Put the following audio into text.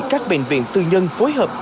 các bệnh viện tư nhân phối hợp